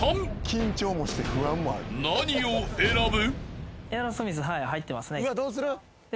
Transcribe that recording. ［何を選ぶ？］